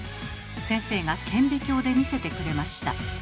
先生が顕微鏡で見せてくれました。